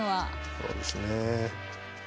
そうですね。